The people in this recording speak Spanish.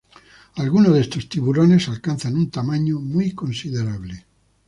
Algunos de estos tiburones alcanzan un tamaño muy considerable.